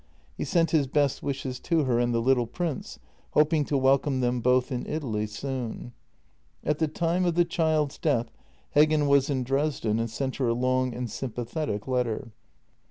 He sent his best wishes to her and the little prince, hoping to welcome them both in Italy soon. At the time of the child's death Heggen was in Dresden and sent her a long and sympathetic letter.